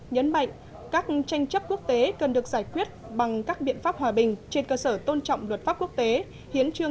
nhấn mạnh các tranh chấp quốc tế cần được giải quyết bằng các biện pháp hòa bình trên cơ sở tôn trọng luật pháp quốc tế